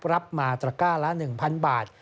รับมาตระก้าละ๑๐๐บาท